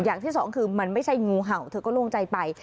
อย่างที่สองคือมันไม่ใช่งูเห่าเธอก็โล่งใจไป